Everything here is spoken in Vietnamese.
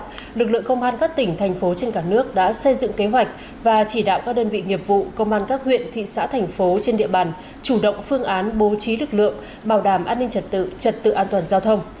trước đó lực lượng công an các tỉnh thành phố trên cả nước đã xây dựng kế hoạch và chỉ đạo các đơn vị nghiệp vụ công an các huyện thị xã thành phố trên địa bàn chủ động phương án bố trí lực lượng bảo đảm an ninh trật tự trật tự an toàn giao thông